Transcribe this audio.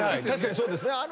確かにそうですね。